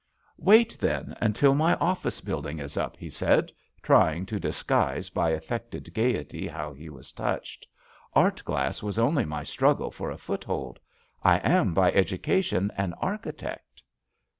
"Wait, then, until my office building is up," he said, trying to disguise by affected gayety how he was touched. "Art glass was only my struggle for a foothold. I am by education an architect."